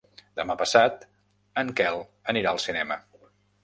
Demà passat en Quel anirà al cinema.